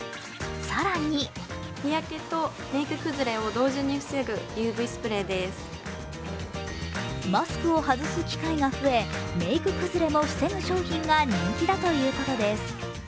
更にマスクを外す機会が増え、メイク崩れも防ぐ商品が人気だということです。